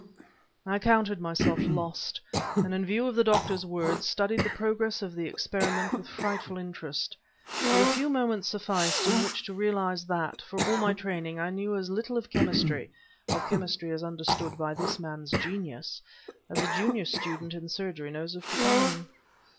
I counted myself lost, and in view of the doctor's words, studied the progress of the experiment with frightful interest. But a few moments sufficed in which to realize that, for all my training, I knew as little of chemistry of chemistry as understood by this man's genius as a junior student in surgery knows of trephining.